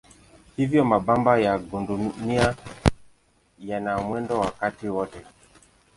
Hivyo mabamba ya gandunia yana mwendo wakati wote.